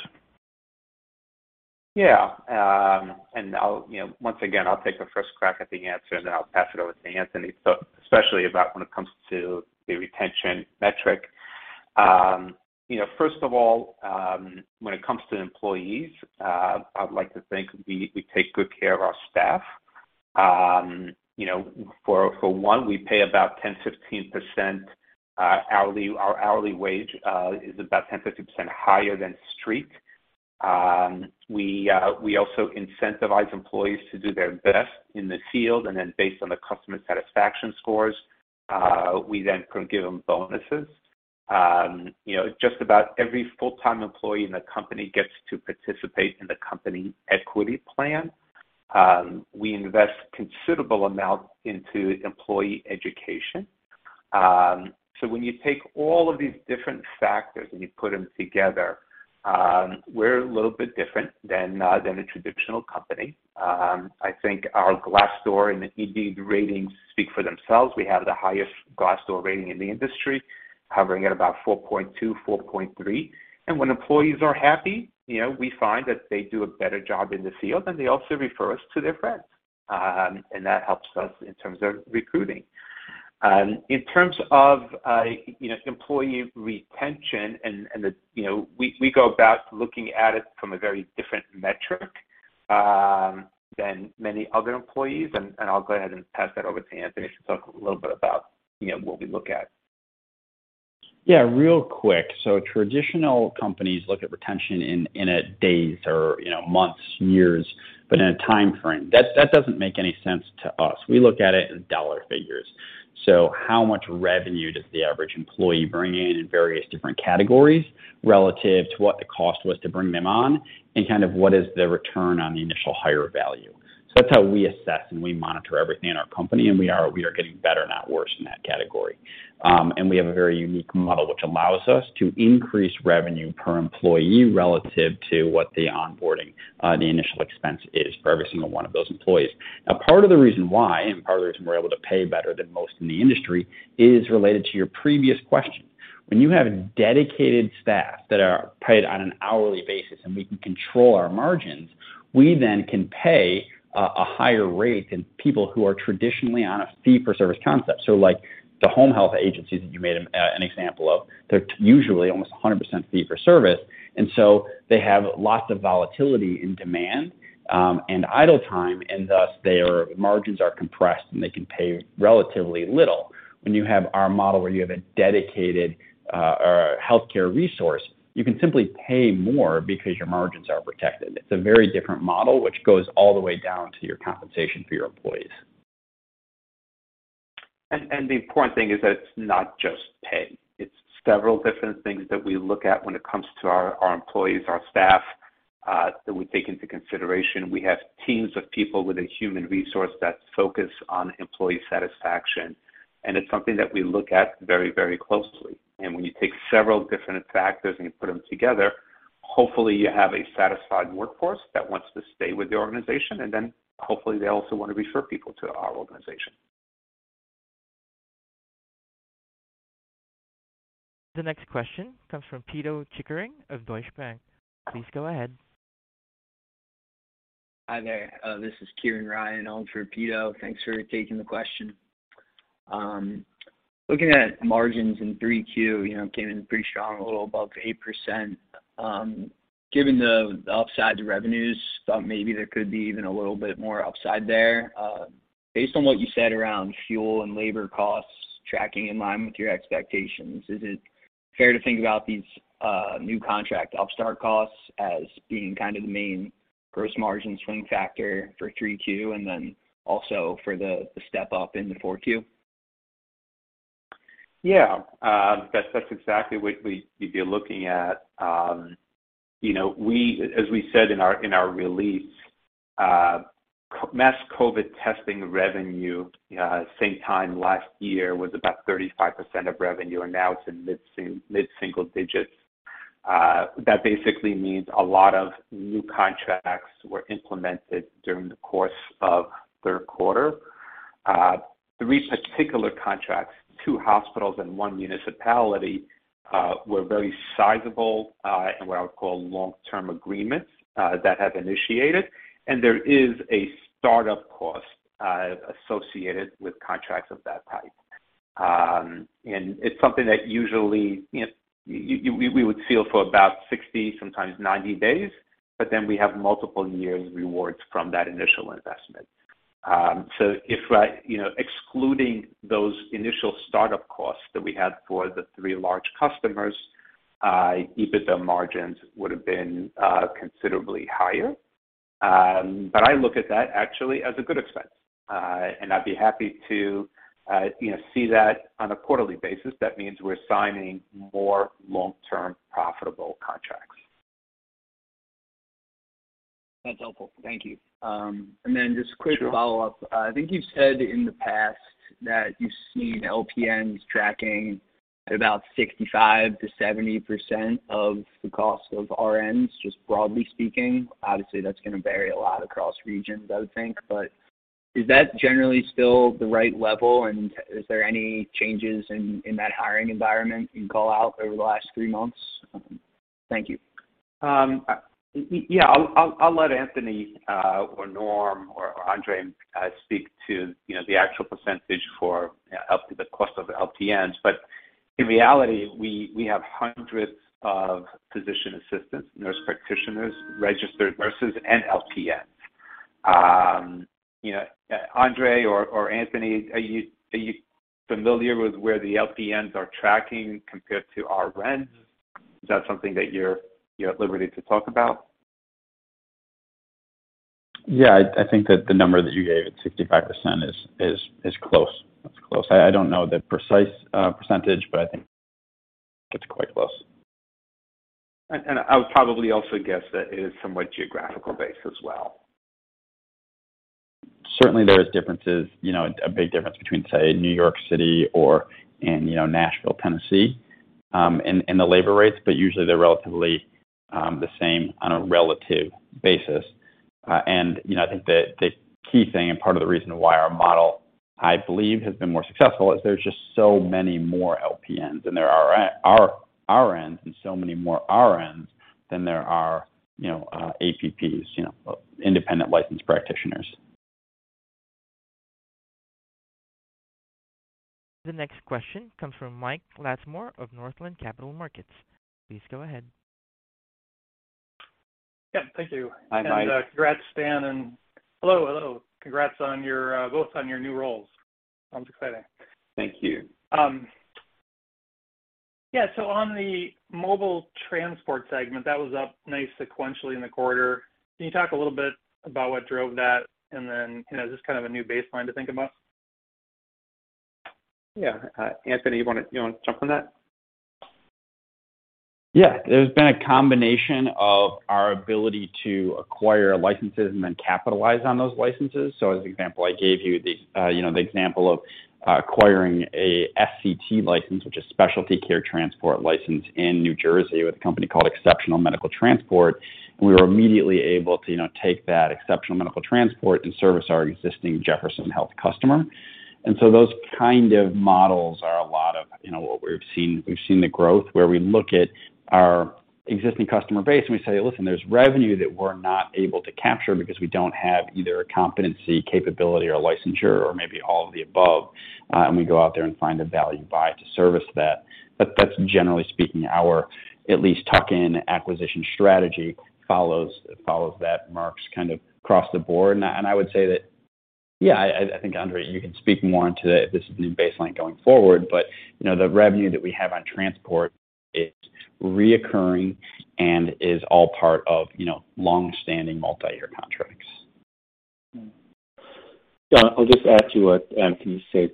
Yeah. I'll, you know, once again, take the first crack at the answer, and then I'll pass it over to Anthony. Especially when it comes to the retention metric. You know, first of all, when it comes to employees, I'd like to think we take good care of our staff. For one, we pay about 10%-15% hourly. Our hourly wage is about 10%-15% higher than Street. We also incentivize employees to do their best in the field, and then based on the customer satisfaction scores, we then can give them bonuses. You know, just about every full-time employee in the company gets to participate in the company equity plan. We invest considerable amount into employee education. So when you take all of these different factors and you put them together, we're a little bit different than a traditional company. I think our Glassdoor and the Indeed ratings speak for themselves. We have the highest Glassdoor rating in the industry, hovering at about 4.2, 4.3. When employees are happy, you know, we find that they do a better job in the field, and they also refer us to their friends. That helps us in terms of recruiting. In terms of you know, employee retention and you know, we go about looking at it from a very different metric than many other employees. I'll go ahead and pass that over to Anthony to talk a little bit about, you know, what we look at. Yeah, real quick. Traditional companies look at retention in days or, you know, months, years, but in a timeframe. That doesn't make any sense to us. We look at it in dollar figures. How much revenue does the average employee bring in various different categories relative to what the cost was to bring them on, and kind of what is the return on the initial hire value? That's how we assess, and we monitor everything in our company, and we are getting better, not worse in that category. We have a very unique model which allows us to increase revenue per employee relative to what the initial expense is for every single one of those employees. Now, part of the reason why, and part of the reason we're able to pay better than most in the industry is related to your previous question. When you have dedicated staff that are paid on an hourly basis and we can control our margins, we then can pay a higher rate than people who are traditionally on a fee for service concept. Like the home health agencies that you made an example of, they're usually almost 100% fee for service, and so they have lots of volatility in demand, and idle time, and thus their margins are compressed, and they can pay relatively little. When you have our model where you have a dedicated healthcare resource, you can simply pay more because your margins are protected. It's a very different model which goes all the way down to your compensation for your employees. The important thing is that it's not just pay. It's several different things that we look at when it comes to our employees, our staff, that we take into consideration. We have teams of people within human resources that focus on employee satisfaction, and it's something that we look at very, very closely. When you take several different factors and you put them together, hopefully you have a satisfied workforce that wants to stay with the organization, and then hopefully they also wanna refer people to our organization. The next question comes from Pito Chickering of Deutsche Bank. Please go ahead. Hi there. This is Kieran Ryan in for Pito. Thanks for taking the question. Looking at margins in 3Q, you know, came in pretty strong, a little above 8%. Given the upside to revenues, thought maybe there could be even a little bit more upside there. Based on what you said around fuel and labor costs tracking in line with your expectations, is it fair to think about these new contract upstart costs as being kind of the main gross margin swing factor for 3Q and then also for the step up into 4Q? Yeah. That's exactly what we'd be looking at. You know, as we said in our release, mass COVID testing revenue same time last year was about 35% of revenue, and now it's in mid single digits. That basically means a lot of new contracts were implemented during the course of third quarter. Three particular contracts, two hospitals and one municipality, were very sizable, and what I would call long-term agreements that have initiated. There is a start-up cost associated with contracts of that type. It's something that usually, you know, we would feel for about 60, sometimes 90 days, but then we have multiple years returns from that initial investment. You know, excluding those initial start-up costs that we had for the three large customers, EBITDA margins would have been considerably higher. I look at that actually as a good expense. I'd be happy to, you know, see that on a quarterly basis. That means we're signing more long-term profitable contracts. That's helpful. Thank you. Just quick follow-up. Sure. I think you've said in the past that you've seen LPNs tracking at about 65%-70% of the cost of RNs, just broadly speaking. Obviously, that's gonna vary a lot across regions, I would think. Is that generally still the right level, and is there any changes in that hiring environment you can call out over the last three months? Thank you. Yeah. I'll let Anthony or Norm or Andre speak to, you know, the actual percentage for up to the cost of LPNs. In reality, we have hundreds of physician assistants, nurse practitioners, registered nurses, and LPNs. Andre or Anthony, are you familiar with where the LPNs are tracking compared to RNs? Is that something that you're at liberty to talk about? Yeah. I think that the number that you gave at 65% is close. That's close. I don't know the precise percentage, but I think it's quite close. I would probably also guess that it is somewhat geographical based as well. Certainly there is differences, you know, a big difference between, say, New York City or in, you know, Nashville, Tennessee, in the labor rates, but usually they're relatively the same on a relative basis. You know, I think the key thing and part of the reason why our model, I believe, has been more successful is there's just so many more LPNs than there are RNs, and so many more RNs than there are, you know, APPs, you know, independent licensed practitioners. The next question comes from Michael Latimore of Northland Capital Markets. Please go ahead. Yeah, thank you. Hi, Mike. Congrats, Stan, and hello. Congrats on your both on your new roles. Sounds exciting. Thank you. Yeah. On the mobile transport segment, that was up nice sequentially in the quarter. Can you talk a little bit about what drove that and then, you know, just kind of a new baseline to think about? Yeah. Anthony, you wanna jump on that? Yeah. There's been a combination of our ability to acquire licenses and then capitalize on those licenses. As the example I gave you, the example of acquiring a SCT license, which is specialty care transport license in New Jersey with a company called Exceptional Medical Transport. We were immediately able to, you know, take that Exceptional Medical Transport and service our existing Jefferson Health customer. Those kind of models are a lot of, you know, what we've seen. We've seen the growth where we look at our existing customer base, and we say, "Listen, there's revenue that we're not able to capture because we don't have either a competency, capability or a licensure or maybe all of the above." We go out there and find a value buy to service that. That's generally speaking, our at least tuck-in acquisition strategy follows that marks kind of across the board. I would say that, yeah, I think, Andre, you can speak more into if this is a new baseline going forward. You know, the revenue that we have on transport is recurring and is all part of, you know, long-standing multi-year contracts. Yeah. I'll just add to what Anthony said.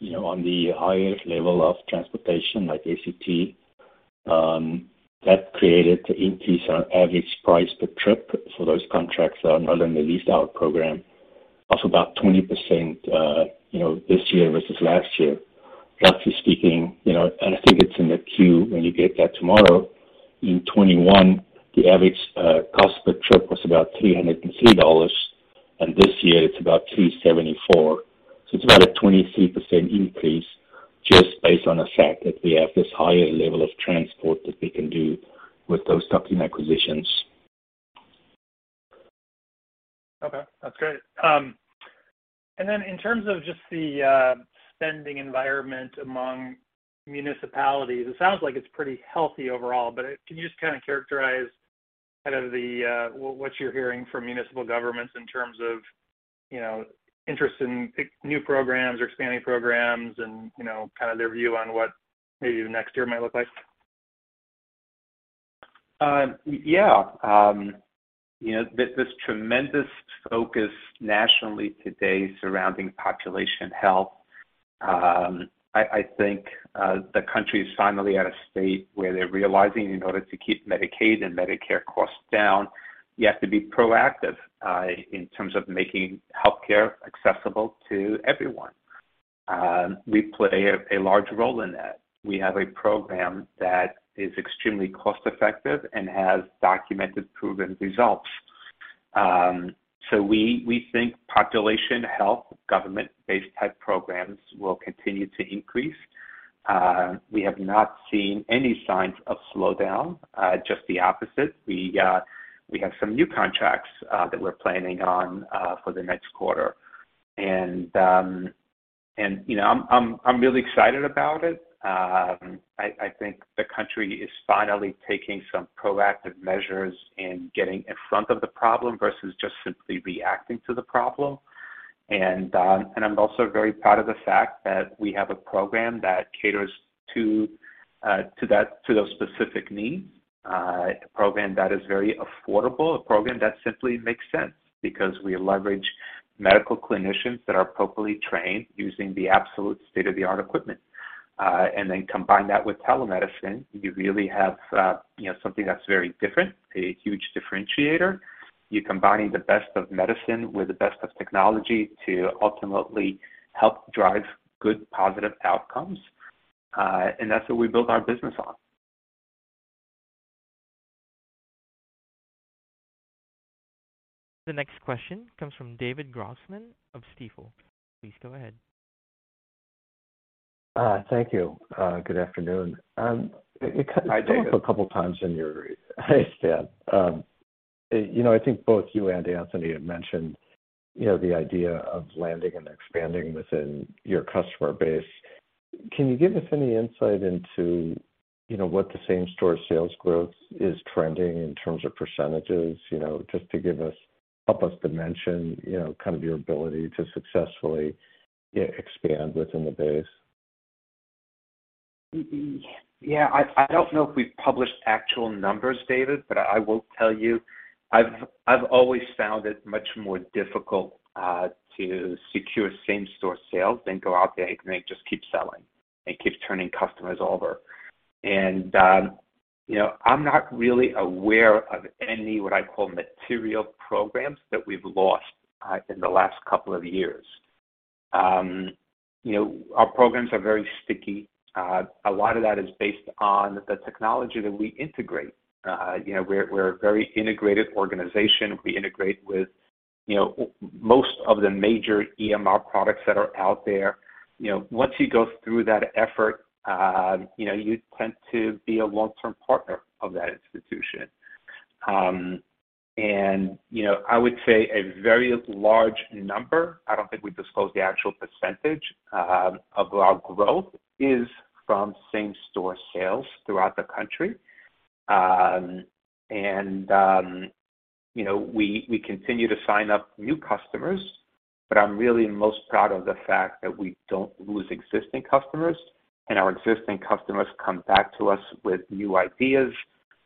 You know, on the highest level of transportation, like SCT, that created to increase our average price per trip for those contracts that are not in the leased out program of about 20%, this year versus last year. Roughly speaking, you know, and I think it's in the 10-Q when you get that tomorrow. In 2021, the average cost per trip was about $303, and this year it's about $374. It's about a 23% increase just based on the fact that we have this higher level of transport that we can do with those tuck-in acquisitions. Okay, that's great. In terms of just the spending environment among municipalities, it sounds like it's pretty healthy overall, but can you just kinda characterize kind of the what you're hearing from municipal governments in terms of, you know, interest in new programs or expanding programs and, you know, kind of their view on what maybe next year might look like? You know, this tremendous focus nationally today surrounding population health. I think the country is finally at a state where they're realizing in order to keep Medicaid and Medicare costs down, you have to be proactive in terms of making healthcare accessible to everyone. We play a large role in that. We have a program that is extremely cost-effective and has documented proven results. We think population health, government-based type programs will continue to increase. We have not seen any signs of slowdown, just the opposite. We have some new contracts that we're planning on for the next quarter. You know, I'm really excited about it. I think the country is finally taking some proactive measures in getting in front of the problem versus just simply reacting to the problem. I'm also very proud of the fact that we have a program that caters to those specific needs. A program that is very affordable, a program that simply makes sense because we leverage medical clinicians that are properly trained using the absolute state-of-the-art equipment. Combine that with telemedicine, you really have, you know, something that's very different, a huge differentiator. You're combining the best of medicine with the best of technology to ultimately help drive good positive outcomes. That's what we build our business on. The next question comes from David Grossman of Stifel. Please go ahead. Thank you. Good afternoon. Hi, David. It came up a couple times in your, Hey Stan. You know, I think both you and Anthony had mentioned, you know, the idea of landing and expanding within your customer base. Can you give us any insight into, you know, what the same-store sales growth is trending in terms of percentages, you know, just to help us dimension, you know, kind of your ability to successfully expand within the base? Yeah. I don't know if we've published actual numbers, David, but I will tell you I've always found it much more difficult to secure same-store sales than go out there and just keep selling and keep turning customers over. You know, I'm not really aware of any, what I call material programs that we've lost in the last couple of years. You know, our programs are very sticky. A lot of that is based on the technology that we integrate. You know, we're a very integrated organization. We integrate with, you know, most of the major EMR products that are out there. You know, once you go through that effort, you know, you tend to be a long-term partner of that institution. You know, I would say a very large number. I don't think we disclose the actual percentage of our growth is from same-store sales throughout the country. You know, we continue to sign up new customers, but I'm really most proud of the fact that we don't lose existing customers and our existing customers come back to us with new ideas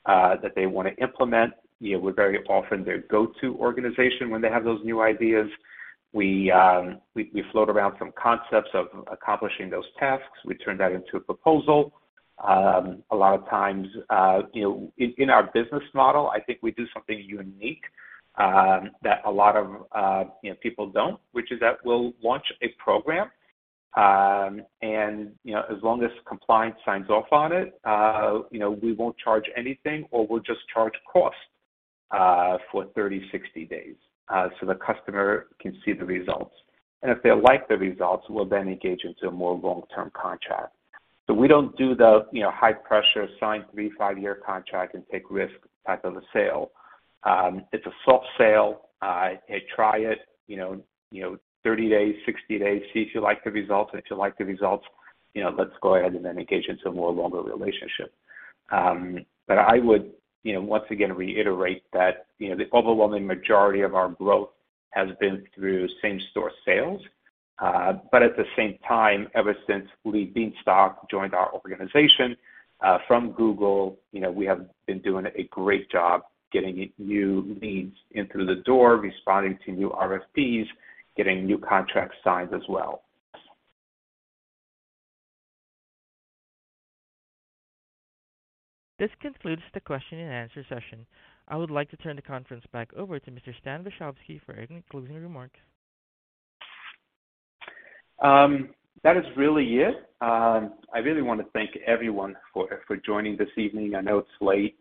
that they wanna implement. You know, we're very often their go-to organization when they have those new ideas. We float around some concepts of accomplishing those tasks. We turn that into a proposal. A lot of times, you know, in our business model, I think we do something unique, that a lot of, you know, people don't, which is that we'll launch a program, and you know, as long as compliance signs off on it, you know, we won't charge anything or we'll just charge cost, for 30, 60 days, so the customer can see the results. If they like the results, we'll then engage into a more long-term contract. We don't do the, you know, high-pressure sign three, five-year contract and take risk type of a sale. It's a soft sale. Try it, you know, 30 days, 60 days. See if you like the results. If you like the results, you know, let's go ahead and then engage into a more longer relationship. I would, you know, once again reiterate that, you know, the overwhelming majority of our growth has been through same-store sales. At the same time, ever since Lee Bienstock joined our organization from Google, you know, we have been doing a great job getting new leads in through the door, responding to new RFPs, getting new contracts signed as well. This concludes the question-and-answer session. I would like to turn the conference back over to Mr. Stan Vashovsky for any concluding remarks. That is really it. I really wanna thank everyone for joining this evening. I know it's late.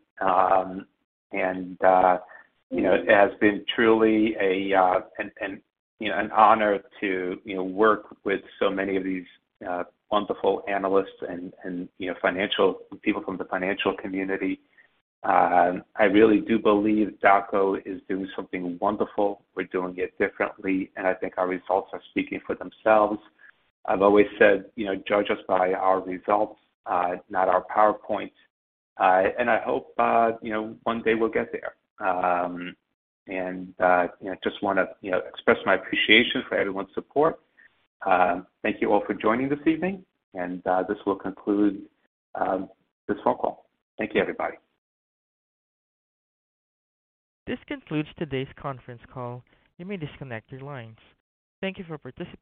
You know, it has been truly an honor to you know, work with so many of these wonderful analysts and, you know, financial people from the financial community. I really do believe DocGo is doing something wonderful. We're doing it differently, and I think our results are speaking for themselves. I've always said, you know, judge us by our results, not our PowerPoints. I hope, you know, one day we'll get there. You know, just wanna, you know, express my appreciation for everyone's support. Thank you all for joining this evening, and this will conclude this phone call. Thank you, everybody. This concludes today's conference call. You may disconnect your lines. Thank you for participating.